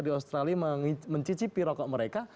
di australia mencicipi rokok mereka